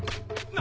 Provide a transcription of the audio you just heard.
何！？